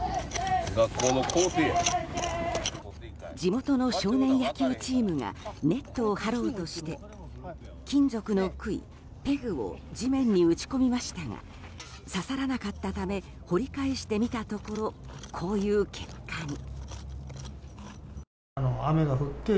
地元の少年野球チームがネットを張ろうとして金属の杭、ペグを地面に打ち込みましたが刺さらなかったため掘り返してみたところこういう結果に。